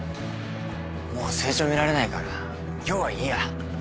もう成長見られないから今日はいいや。